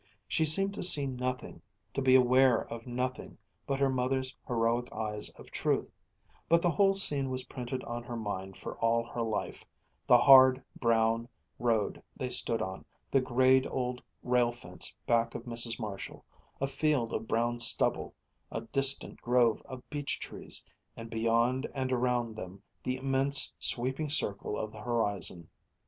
She seemed to see nothing, to be aware of nothing but her mother's heroic eyes of truth; but the whole scene was printed on her mind for all her life the hard, brown road they stood on, the grayed old rail fence back of Mrs. Marshall, a field of brown stubble, a distant grove of beech trees, and beyond and around them the immense sweeping circle of the horizon.